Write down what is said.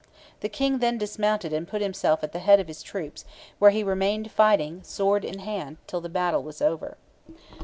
The king then dismounted and put himself at the head of his troops, where he remained fighting, sword in hand, till the battle was over.